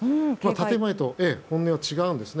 建前と本音は違うんです。